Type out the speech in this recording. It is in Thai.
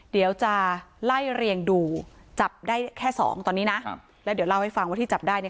เดี๋ยวจะไล่เรียงดูจับได้แค่สองตอนนี้นะครับแล้วเดี๋ยวเล่าให้ฟังว่าที่จับได้เนี่ย